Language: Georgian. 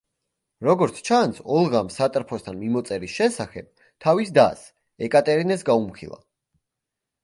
როგორც ჩანს, ოლღამ სატრფოსთან მიმოწერის შესახებ თავის დას, ეკატერინეს გაუმხილა.